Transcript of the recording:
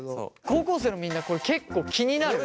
高校生のみんなこれ結構気になる？